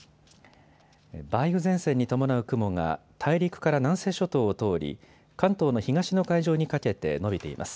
梅雨前線に伴う雲が大陸から南西諸島を通り関東の東の海上にかけて延びています。